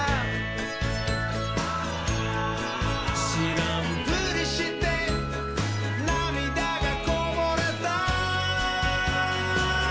「しらんぷりしてなみだがこぼれた」